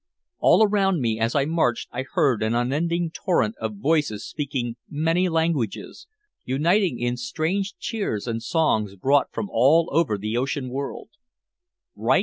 All around me as I marched I heard an unending torrent of voices speaking many languages, uniting in strange cheers and songs brought from all over the ocean world.